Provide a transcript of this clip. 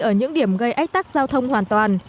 ở những điểm gây ách tắc giao thông hoàn toàn